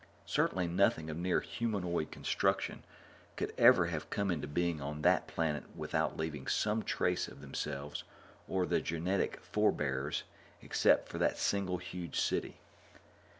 Certainly nothing of near humanoid construction could ever have come into being on that planet without leaving some trace of themselves or their genetic forebears except for that single huge city.